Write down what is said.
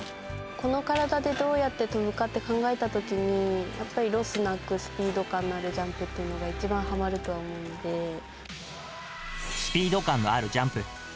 この体でどうやって飛ぶかって考えたときに、やっぱりロスなくスピード感のあるジャンプっていうのが一番はまスピード感のあるジャンプ。